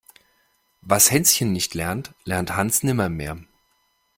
Was Hänschen nicht lernt, lernt Hans nimmermehr.